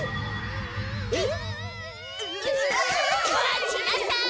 まちなさい！